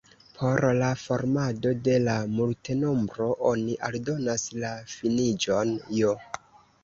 Por la formado de la multenombro oni aldonas la finiĝon j.